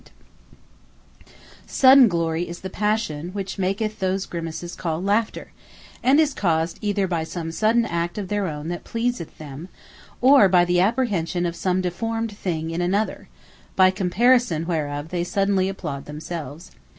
Sudden Glory Laughter Sudden glory, is the passion which maketh those Grimaces called LAUGHTER; and is caused either by some sudden act of their own, that pleaseth them; or by the apprehension of some deformed thing in another, by comparison whereof they suddenly applaud themselves.